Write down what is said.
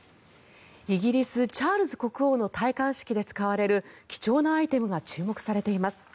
イギリスチャールズ国王の戴冠式で使われる貴重なアイテムが注目されています。